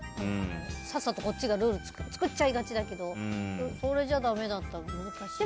さっさとこっちがルール作っちゃいがちだけどそれじゃダメだったんだ、難しい。